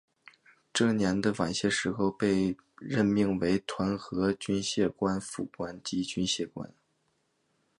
这年的晚些时候被任命为团和军械官副官和军械官。